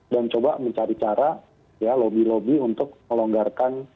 dan coba mencari cara ya lobby lobby untuk melonggarkan